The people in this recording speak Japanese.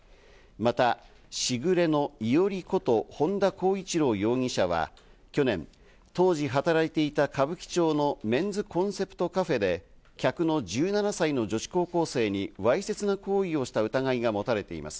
また時雨の伊織こと本田孝一朗容疑者は、去年、当時働いていた歌舞伎町のメンズコンセプトカフェで客の１７歳の女子高校生にわいせつな行為をした疑いが持たれています。